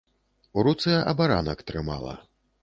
У руцэ абаранак трымала.